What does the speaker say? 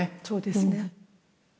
そうですね。